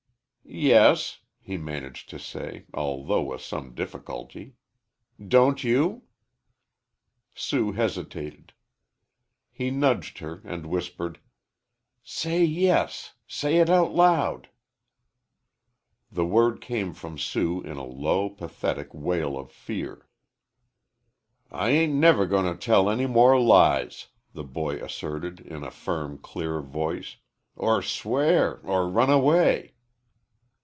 "Yes," he managed to say, although with some difficulty. "Don't you?" Sue hesitated. He nudged her and whispered, "Say yes say it out loud." The word came from Sue in a low, pathetic wail of fear. "I ain't never goin' to tell any more lies," the boy asserted, in a firm, clear voice, "er swear er run away."